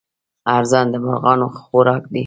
ارزن د مرغانو خوراک دی.